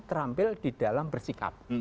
terampil di dalam bersikap